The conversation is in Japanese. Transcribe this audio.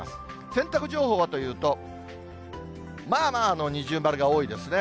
洗濯情報はというと、まあまあの二重丸が多いですね。